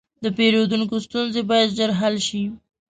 د پیرودونکو ستونزې باید ژر حل شي.